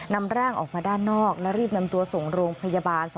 นำร่างออกมาด้านนอกและรีบนำตัวส่งโรงพยาบาล